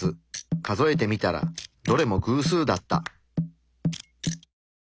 数えてみたらどれも偶数だった。